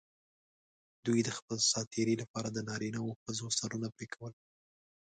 دوی د خپل سات تېري لپاره د نارینه او ښځو سرونه پرې کول.